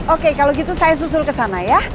oke kalau gitu saya susul ke sana ya